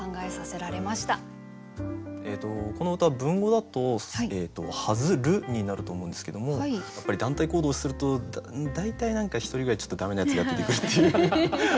この歌文語だと「はづる」になると思うんですけどもやっぱり団体行動すると大体何か１人ぐらいちょっと駄目なやつが出てくるっていう。